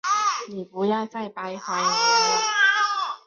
你不要再掰谎言了。